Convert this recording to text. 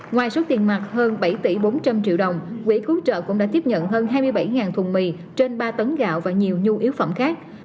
ngoài số tiền mặt hơn bảy tỷ bốn trăm linh triệu đồng quỹ cứu trợ cũng đã tiếp nhận hơn hai mươi bảy thùng mì trên ba tấn gạo và nhiều nhu yếu phẩm khác